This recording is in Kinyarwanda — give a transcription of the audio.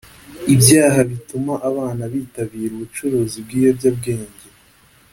ibyaha bituma abana bitabira ubucuruzi bw’ibiyobyabwenge